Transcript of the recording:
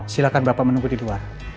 silahkan bapak menunggu di luar